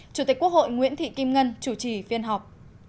chủ tịch quốc hội nguyễn thị kim ngân chủ trì phiên họp